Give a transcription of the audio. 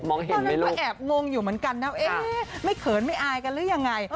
ตอนนั้นก็แอบงงอยู่เหมือนกันนะเอ๊ะไม่เขินไม่อายกันหรือยังไง